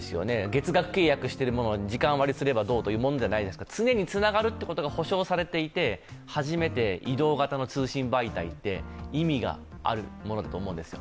月額契約しているものを時間割にすればどうというものではなく常につながるってことが保障されていて初めて移動型の通信媒体って意味があるものだと思うんです。